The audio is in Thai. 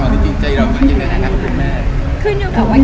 ตอนตอนเดียวกูจะอยู่ในห้าแม่